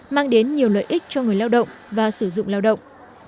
mang đến nhiều lợi ích cho người lao động và sử dụng lao động